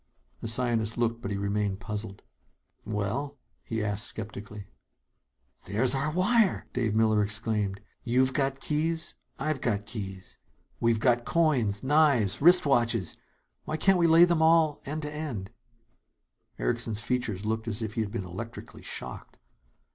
The scientist looked; but he remained puzzled. "Well ?" he asked skeptically. "There's our wire!" Dave Miller exclaimed. "You've got keys; I've got keys. We've got coins, knives, wristwatches. Why can't we lay them all end to end " Erickson's features looked as if he had been electrically shocked.